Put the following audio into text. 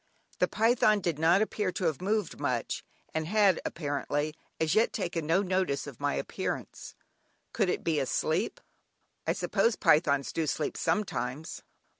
The python did not appear to have moved much, and had, apparently, as yet taken no notice of my appearance; could it be asleep? I suppose pythons do sleep sometimes?